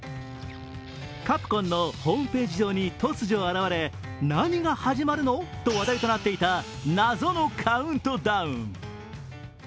カプコンのホームページ上に突如現れ、何が始まるの？と話題となっていた謎のカウントダウン。